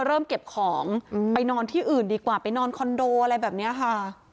เริ่มเก็บของไปนอนที่อื่นดีกว่าไปนอนคอนโดอะไรแบบนี้ค่ะ